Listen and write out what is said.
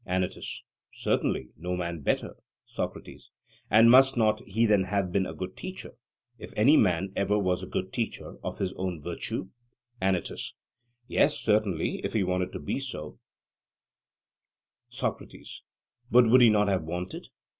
ANYTUS: Certainly; no man better. SOCRATES: And must not he then have been a good teacher, if any man ever was a good teacher, of his own virtue? ANYTUS: Yes certainly, if he wanted to be so. SOCRATES: But would he not have wanted?